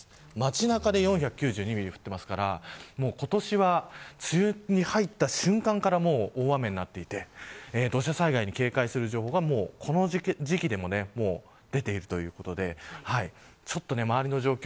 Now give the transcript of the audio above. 街中で４９２ミリ降ってますから今年は梅雨に入った瞬間から大雨になっていて土砂災害に警戒する情報がこの時期でももう出ているということでちょっと周りの状況